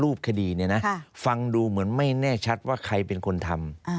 รูปคดีเนี่ยนะฟังดูเหมือนไม่แน่ชัดว่าใครเป็นคนทำ